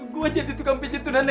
gua jadi tukang pijit tuna netra